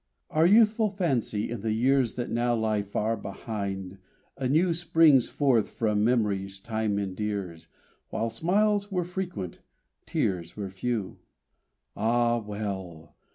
Our youthful fancy in the years That now lie far behind, anew Springs forth from memories Time endears, When smiles were frequent, tears were few! Ah well!